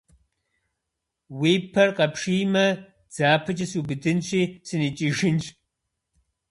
- Уи пэр къэпшиймэ, дзапэкӏэ субыдынщи, сыникӏыжынщ.